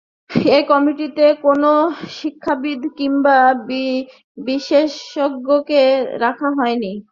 এই কমিটিতে কোনো শিক্ষাবিদ কিংবা বিশেষজ্ঞকে রাখা হয়নি।